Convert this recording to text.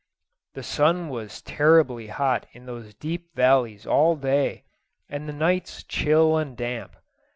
The sun was terribly hot in those deep valleys all day, and the nights chill and damp.